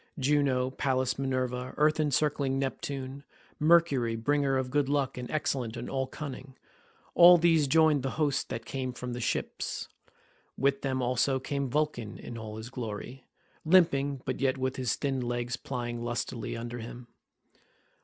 Juno, Pallas Minerva, earth encircling Neptune, Mercury bringer of good luck and excellent in all cunning—all these joined the host that came from the ships; with them also came Vulcan in all his glory, limping, but yet with his thin legs plying lustily under him.